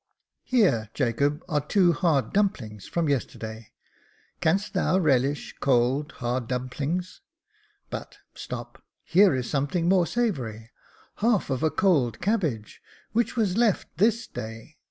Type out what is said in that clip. '* Here, Jacob, are two hard dumplings from yesterday. Canst thou relish cold, hard dumplings ?— but, stop, here is something more savoury — half of a cold cabbage, which was left this day.